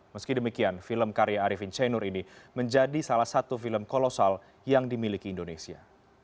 meski demikian film karya arifin chainur ini menjadi salah satu film kolosal yang dimiliki indonesia